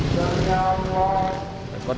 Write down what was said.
sidak ini pak